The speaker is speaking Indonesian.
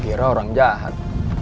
gue kira orang jahat